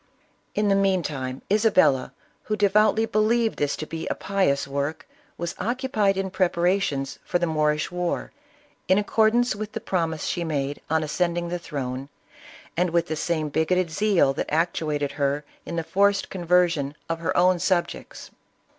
In the meantime Isabella, who devoutly believed ISABELLA OF CASTILE. 81 this to be a pious work, was occupied in preparations for the Moorish war, in accordance with the promise she made on ascending the throne, and with the same bigoted zeal that actuated her in the forced conversion of her own subjects.